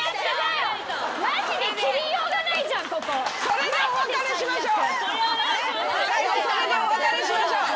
それでお別れしましょう。